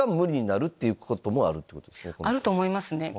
あると思いますね。